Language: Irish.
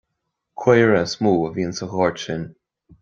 Caora is mó a bhíonn sa ghort sin.